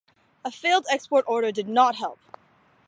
A failed export order did not help.